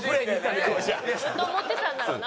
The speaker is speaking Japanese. ずっと思ってたんだろうな。